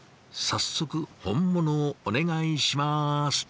早速本物をお願いします。